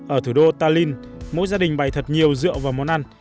ở thủ đô tallinn mỗi gia đình bày thật nhiều rượu và món ăn